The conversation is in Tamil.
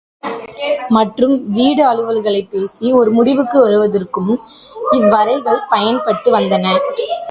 மற்றும் வீட்டு அலுவல்களைப் பேசி ஒரு முடிவுக்கு வருவதற்கும் இவ்வறைகள் பயன்பட்டு வந்தன.